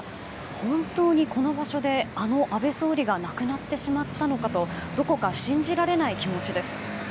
本当にこの場所であの安倍総理が亡くなってしまったのかとどこか信じられない気持ちです。